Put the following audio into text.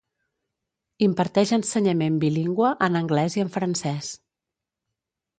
Imparteix ensenyament bilingüe en anglès i en francès.